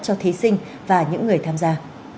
cho thí sinh và những người tham gia